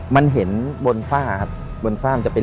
มันเห็นบนฟาบบนฟาบมันจะเป็น